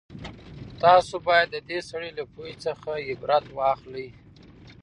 تاسو بايد د دې سړي له پوهې څخه عبرت واخلئ.